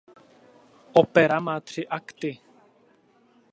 Opera má tři akty.